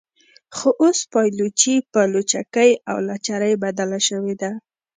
خو اوس پایلوچي په لچکۍ او لچرۍ بدله شوې ده.